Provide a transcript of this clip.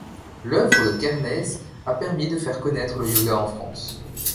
L'œuvre de Kerneiz a permis de faire connaître le Yoga en France.